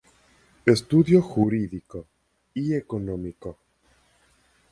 Estudio jurídico y económico.